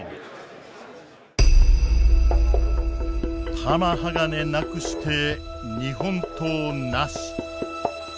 玉鋼なくして日本刀なし。